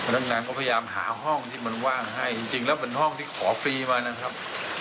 นักงานก็พยายามหาห้องที่มันว่างให้จริงแล้วเป็นห้องที่ขอฟรีมานะครับ